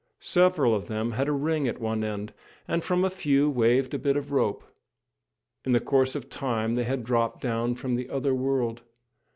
Several of them had a ring at one end, and from a few waved a bit of rope. In the course of time they had dropped down from the other world.